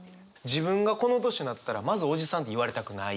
自分がこの年になったらまずおじさんって言われたくない。